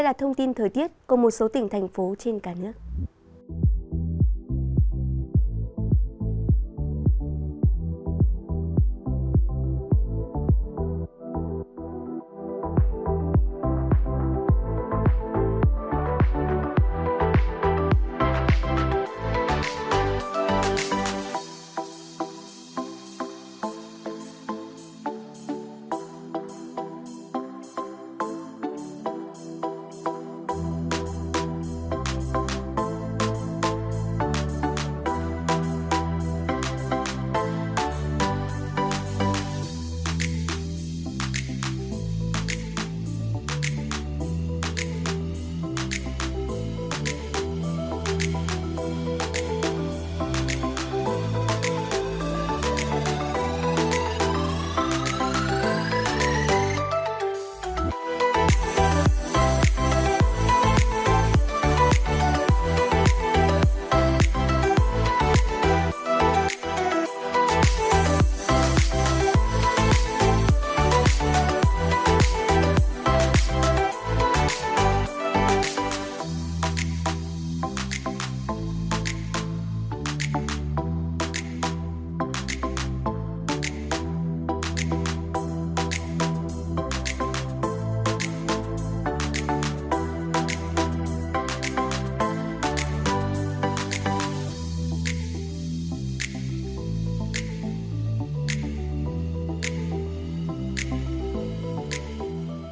đăng ký kênh để ủng hộ kênh của chúng tôi nhé